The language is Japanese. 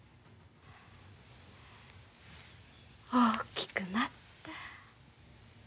大きくなった。